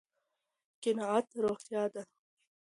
قناعت روغتيا ده